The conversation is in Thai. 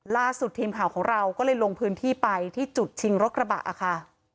ล่าสุดทีมข่าวของเราก็เลยลงพื้นที่ไปที่จุดชิงรถกระบะค่ะ